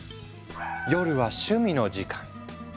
夜は趣味の時間。